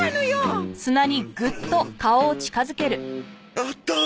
あった！